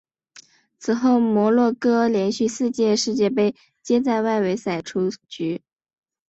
此后摩洛哥连续四届世界杯皆在外围赛出局。